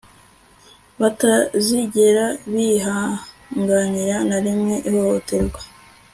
batazigera bihanganira na rimwe ihohoterwa